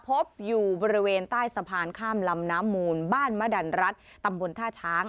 พบอยู่บริเวณใต้สะพานข้ามลำน้ำมูลบ้านมดันรัฐตำบลท่าช้าง